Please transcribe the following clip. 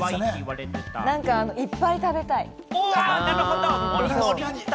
何かいっぱい食べたい。